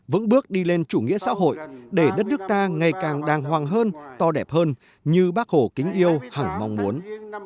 vững bước đi lên chủ nghĩa xã hội để đất nước ta ngày càng đàng hoàng hơn to đẹp hơn như bác hồ kính yêu hẳng mong muốn